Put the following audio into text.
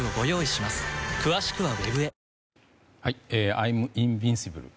アイムインビンシブル。